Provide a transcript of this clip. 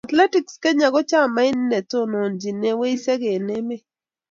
Athletics Kenya Ko chamait netonontochine wiseek eng emet.